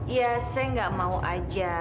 ya saya nggak mau aja